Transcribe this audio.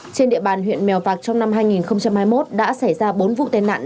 trên địa bàn huyện mèo vạc trong năm hai nghìn hai mươi một đã xảy ra bốn vụ tai nạn